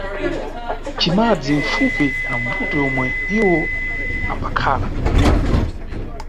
Cimadzi mʼpafupi na mbuto yomwe iwo ambakhala.